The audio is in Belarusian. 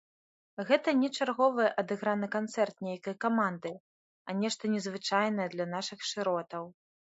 Гэта не чарговы адыграны канцэрт нейкай каманды, а нешта незвычайнае для нашых шыротаў.